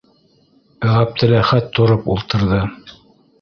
- Әптеләхәт тороп ултырҙы.